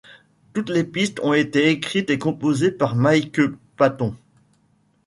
Toutes les pistes ont été écrites et composées par Mike Patton.